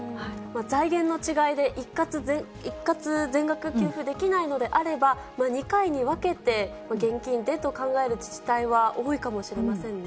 財源の違いで一括全額給付できないのであれば、２回に分けて現金でと考える自治体は多いかもしれませんね。